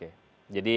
jadi ada sebagian dari